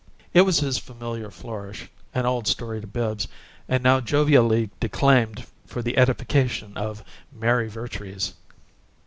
It was his familiar flourish, an old story to Bibbs, and now jovially declaimed for the edification of Mary Vertrees.